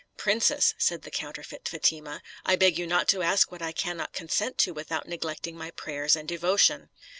"Princess," said the counterfeit Fatima, "I beg of you not to ask what I cannot consent to without neglecting my prayers and devotion."